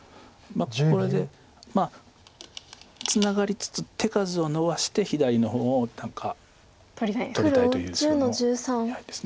これでツナがりつつ手数をのばして左の方を何か取りたいという白の狙いです。